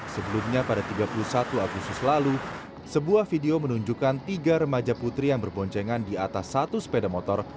sebelumnya pada tiga puluh satu agustus lalu sebuah video menunjukkan tiga remaja putri yang berboncengan di atas satu sepeda motor